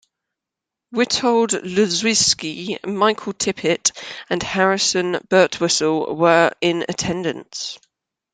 Witold Lutoslawski, Michael Tippett and Harrison Birtwistle were in attendance.